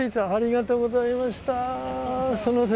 ありがとうございます。